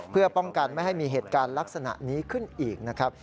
เพื่อป้องกันไม่ให้มีเหตุการณ์ลักษณะนี้ขึ้นอีกนะครับ